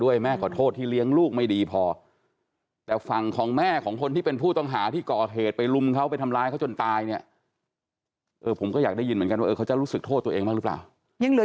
เวียนกลับมันต้องมีจริง